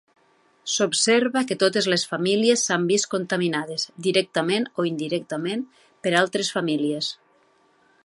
S'observa que totes les famílies s'han vist contaminades, directament o indirectament, per altres famílies.